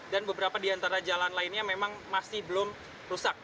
dan beberapa di antara jalan lainnya memang masih belum rusak